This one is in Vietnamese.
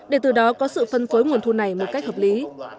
để từ đó có sự phân phối nguồn thu này một cách hợp lý